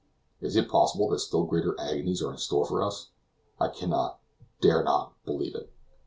Is it possible that still greater agonies are in store for us? I cannot, dare not, believe it.